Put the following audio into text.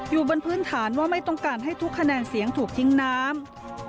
อยู่บนพื้นฐานว่าไม่ต้องการให้ทุกคะแนนเสียงถูกทิ้งน้ำ